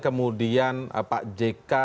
kemudian pak jk